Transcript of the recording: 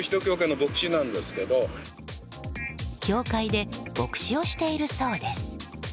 教会で牧師をしているそうです。